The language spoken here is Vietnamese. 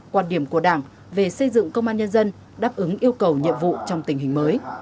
quan điểm của đảng về xây dựng công an nhân dân đáp ứng yêu cầu nhiệm vụ trong tình hình mới